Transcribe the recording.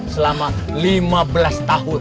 selama lima belas tahun